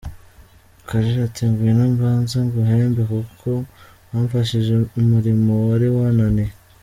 Kalira ati: «Ngwino mbanze nguhembe kuko wamfashije umurimo wari wananiye».